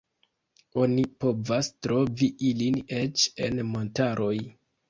Oni povas trovi ilin eĉ en montaroj.